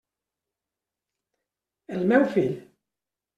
El meu fill.